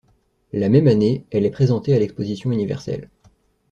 La même année, elle est présentée à l'Exposition universelle.